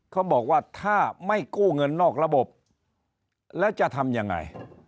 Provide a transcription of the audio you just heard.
เขาบอกว่าถ้าไม่กู้เงินนอกระบบแล้วจะทำยังไง